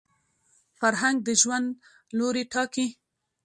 فرهنګ د ژوند لوري ټاکي